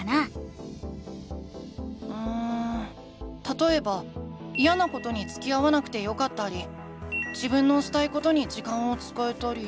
たとえばイヤなことにつきあわなくてよかったり自分のしたいことに時間を使えたり。